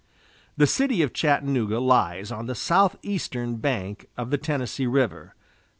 The city of Chattanooga lies on the southeastern bank of the Tennessee River.